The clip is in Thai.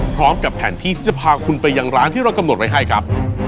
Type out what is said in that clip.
พร้อมกับแผนที่จะพาคุณไปยังร้านที่เรากำหนดไว้ให้ครับ